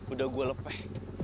udah gue lepeh